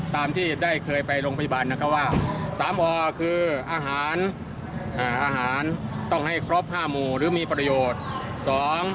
ตามที่ได้เคยไปโรงพยาบาลนะครับว่าสามอคืออาหารอาหารต้องให้ครบ๕หมู่หรือมีประโยชน์